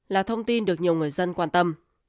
là thông tin được nhiều người dân quan tâm